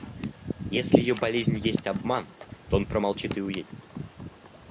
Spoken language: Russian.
Если ее болезнь есть обман, то он промолчит и уедет.